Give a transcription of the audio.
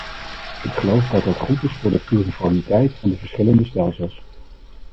Ik geloof dat dat goed is voor de pluriformiteit van de verschillende stelsels.